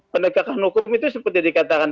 penegakan hukum itu seperti dikatakan